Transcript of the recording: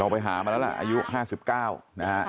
ไปหามาแล้วล่ะอายุ๕๙นะฮะ